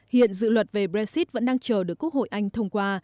hiện dự luật về brexit vẫn đang chờ được quốc hội anh thông qua